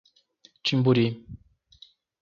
Timburi